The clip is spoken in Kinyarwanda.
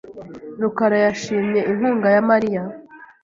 rukara yashimye inkunga ya Mariya .